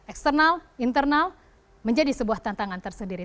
eksternal internal menjadi sebuah tantangan tersendiri